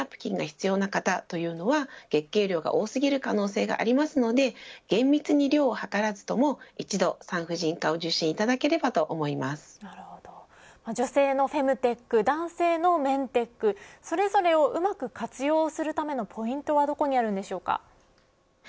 過多月経の指標として日中でも夜用ナプキンが必要というのは月経量が多すぎる可能性がありますので厳密に量を図らずとも、一度産婦人科を受診いただければと女性のフェムテック男性のメンテックそれぞれをうまく活用するポイントはどこにあるんでしょうか。